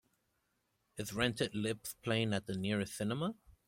Is Rented Lips playing at the nearest cinema